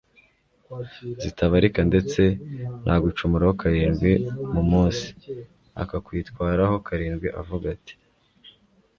zitabarika ndetse nagucumuraho karindwi mu munsi, akakwitwaraho karindwi avuga ati